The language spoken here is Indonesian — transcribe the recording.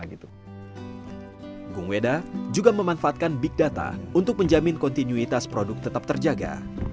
gung wedam juga memanfaatkan big data untuk menjamin kontinuitas produk tetap terjaga